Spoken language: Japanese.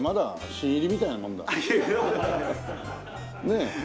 ねえ。